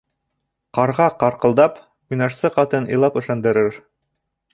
Ҡарға ҡарҡылдап, уйнашсы ҡатын илап ышандырыр.